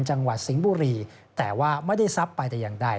จังหวัดสิงห์บุรีแต่ว่าไม่ได้ทรัพย์ไปแต่อย่างใด